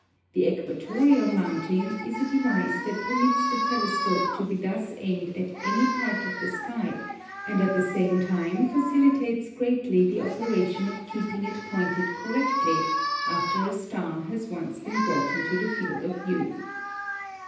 The equatorial mounting is a device that permits the telescope to be thus aimed at any part of the sky, and at the same time facilitates greatly the operation of keeping it pointed correctly after a star has once been brought into the field of view.